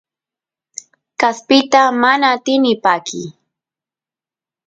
kaspita mana atini pakiy